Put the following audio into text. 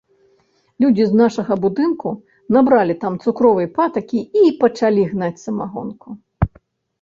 Людзі з нашага будынку набралі там цукровай патакі й пачалі гнаць самагонку.